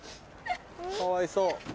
かわいそう。